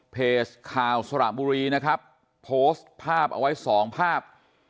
เพจข่าวสระบุรีนะครับโพสต์ภาพเอาไว้สองภาพ